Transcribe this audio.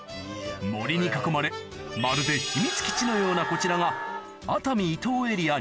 森に囲まれまるで秘密基地のようなこちらが熱海伊東エリア